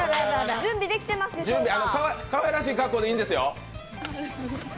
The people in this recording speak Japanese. かわいらしい格好でいいんですよ。